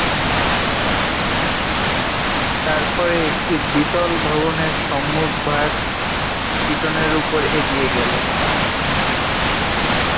তারপরে, একটি দ্বিতল ভবনের সম্মুখভাগ কিটনের উপর এগিয়ে গেল।